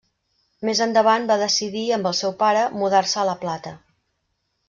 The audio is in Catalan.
Més endavant va decidir, amb el seu pare, mudar-se a la Plata.